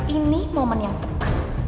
ini momen yang tegas